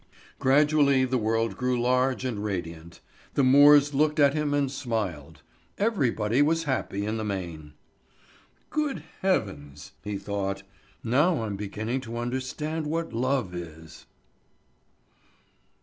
Gradually the world grew large and radiant. The moors looked at him and smiled. Everybody was happy in the main. "Good heavens!" he thought. "Now I'm beginning to understand what love is."